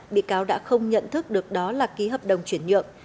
bị cáo đã không nhận thức được đó là ký hợp đồng chuyển nhượng